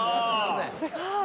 すごい！